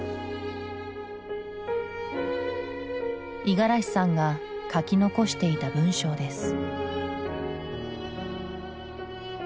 五十嵐さんが書き残していた文章です。